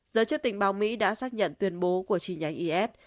giới chức tình báo mỹ đã xác nhận tuyên bố của chi nhánh is